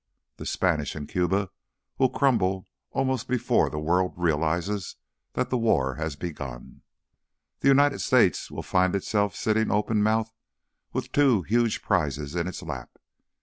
The Spanish in Cuba will crumble almost before the world realizes that the war has begun. The United States will find itself sitting open mouthed with two huge prizes in its lap.